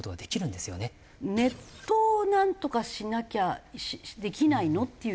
ネットをなんとかしなきゃできないの？って気持ちも。